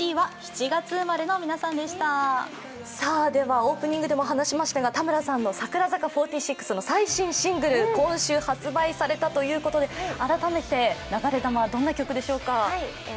オープニングでも話しましたが、田村さんの櫻坂４６最新シングル、今週発売されたということで改めて「流れ弾」、どんな曲でしょうか。